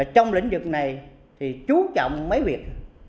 trong lĩnh vực này thì chú trọng mấy việc